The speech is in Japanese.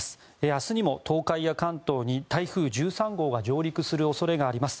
明日にも東海や関東に台風１３号が上陸する恐れがあります。